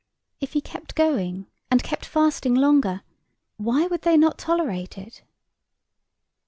If he kept going and kept fasting longer, why would they not tolerate it?